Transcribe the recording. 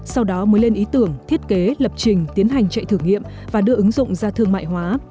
sau đó mới lên ý tưởng thiết kế lập trình tiến hành chạy thử nghiệm và đưa ứng dụng ra thương mại hóa